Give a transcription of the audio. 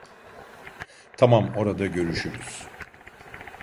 Tamam, orada görüşürüz.